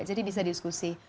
jadi bisa diskusi